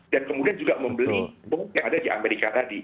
dan kemudian juga membeli yang ada di amerika tadi